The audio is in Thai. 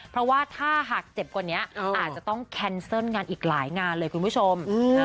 เพราะว่าถ้าหากเจ็บกว่านี้อาจจะต้องแคนเซิลงานอีกหลายงานเลยคุณผู้ชม